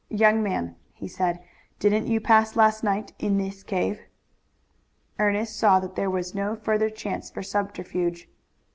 "Young man," he said, "didn't you pass last night in this cave?" Ernest saw that there was no further chance for subterfuge.